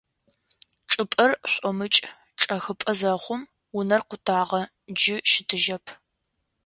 Чӏыпӏэр шӏомыкӏ чӏэхыпӏэ зэхъум: унэр къутагъэ, джы щытыжьэп.